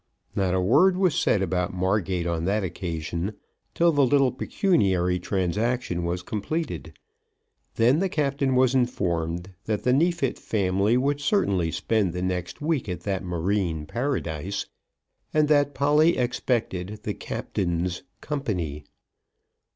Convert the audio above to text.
Not a word was said about Margate on that occasion, till the little pecuniary transaction was completed. Then the Captain was informed that the Neefit family would certainly spend the next week at that marine Paradise, and that Polly expected "the Captain's" company.